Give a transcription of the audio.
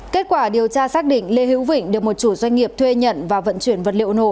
kết quả điều tra xác định lê hữu vịnh được một chủ doanh nghiệp thuê nhận và vận chuyển vật liệu nổ